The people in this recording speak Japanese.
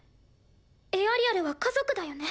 エアリアルは家族だよね？